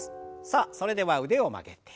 さあそれでは腕を曲げて。